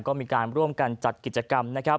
ก็พอสามารถกรรมการจัดกิจกรรม